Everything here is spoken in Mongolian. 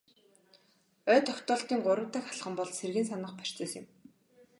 Ой тогтоолтын гурав дахь алхам бол сэргээн санах процесс юм.